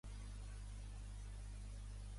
El seu germà gran Roman també es dedicà al ciclisme.